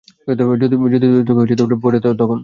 যদি তোকে অন্য কেউ পটিয়ে নেয় তখন?